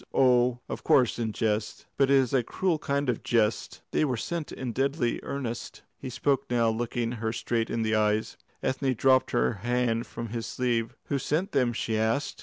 Oh, of course in jest. But it is a cruel kind of jest " "They were sent in deadly earnest." He spoke now, looking her straight in the eyes. Ethne dropped her hand from his sleeve. "Who sent them?" she asked.